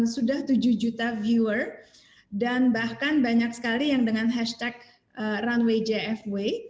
sudah tujuh juta viewer dan bahkan banyak sekali yang dengan hashtag runway jfw